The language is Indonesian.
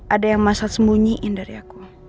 ada yang masak sembunyiin dari aku